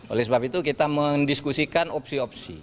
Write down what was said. oleh sebab itu kita mendiskusikan opsi opsi